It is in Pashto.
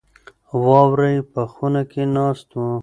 وراره يې په خونه کې ناست و.